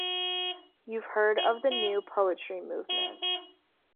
You've heard of the new poetry movement.